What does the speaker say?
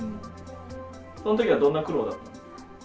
その時はどんな苦労だった？